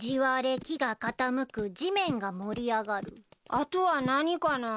あとは何かなぁ。